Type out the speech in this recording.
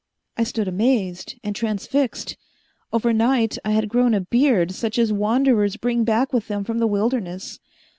I stood amazed and transfixed. Overnight I had grown a beard such as wanderers bring back with them from the wilderness.